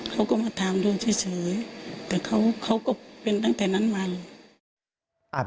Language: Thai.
เขาก็มาถามดูเฉยแต่เขาก็เป็นตั้งแต่นั้นมาเลย